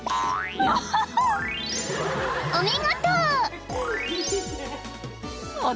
［お見事！］